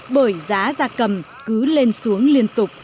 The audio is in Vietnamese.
bởi giá ra cầm cứ lên xuống liên tục